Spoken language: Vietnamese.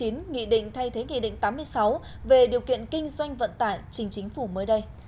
nghị định thay thế nghị định tám mươi sáu về điều kiện kinh doanh vận tải trình chính phủ mới đây